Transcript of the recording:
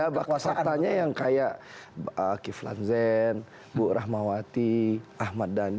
bahwa faktanya yang kayak kiflan zen bu rahmawati ahmad dhani